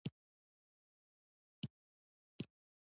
زموږ هېواد د تازه مېوو او دانو څخه تل ګټه اخیستې ده.